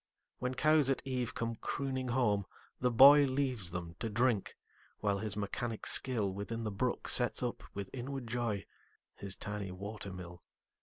When cows at eve come crooning home, the boyLeaves them to drink, while his mechanic skillWithin the brook sets up, with inward joy, His tiny water mill.